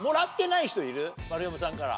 丸山さんから。